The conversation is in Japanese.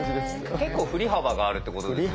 結構振り幅があるってことですね。